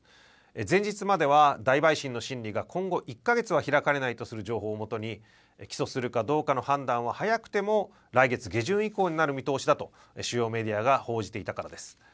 前日までは大陪審の審理が今後１か月は開かれないとする情報をもとに起訴するかどうかの判断は早くても来月下旬以降になる見通しだと主要メディアが報じていたからです。